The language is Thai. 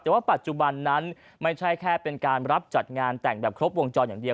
แต่ว่าปัจจุบันนั้นไม่ใช่แค่เป็นการรับจัดงานแต่งแบบครบวงจรอย่างเดียว